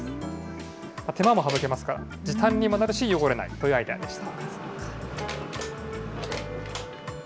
手間を省けますから、時短にもなるし、汚れない、こういうアイデアでした。